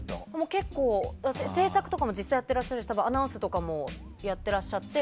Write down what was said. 結構、制作とかも実際にやってらっしゃる方とかアナウンスとかもやってらっしゃって。